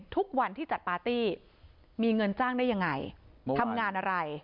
ทุกวันที่จัดปาร์ตี้มีเงินจ้างได้ยังไงทำงานอะไร